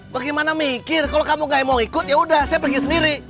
bagaimana mikir kalau kamu gak mau ikut yaudah saya pergi sendiri